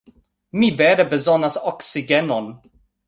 Mi vere bezonas oksigenon.